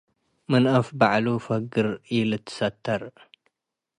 ምን አፍ በዐሉ ፈግር ኢልትሰተር።